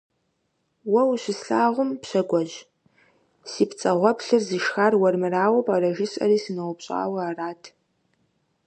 Уэ ущыслъагъум, Пщагуэжь, си пцӀагъуэплъыр зышхар уэрмырауэ пӀэрэ жысӀэри сыноупщӀауэ арат.